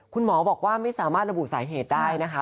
คุณหมอบอกว่าไม่สามารถระบุสาเหตุได้นะคะ